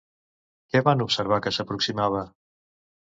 Què van observar que s'aproximava?